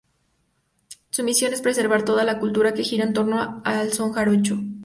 Su misión es preservar toda la cultura que gira en torno al Son Jarocho.